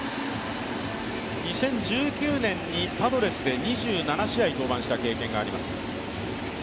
２０１９年にパドレスで２７試合登板した経験があります。